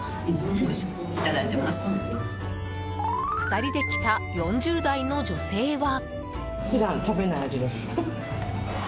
２人で来た４０代の女性は。